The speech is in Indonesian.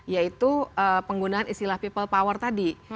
yaitu penggunaan istilah people power tadi